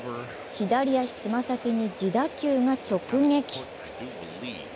左足爪先に自打球が直撃。